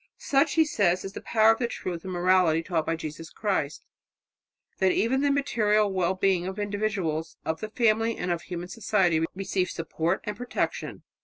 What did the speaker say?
"Such," he says, "is the power of the truth and morality taught by Jesus Christ, that even the material well being of individuals, of the family and of human society receive support and protection."